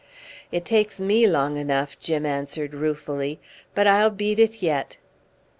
"It takes me long enough," Jim answered ruefully; "but I'll beat it yet."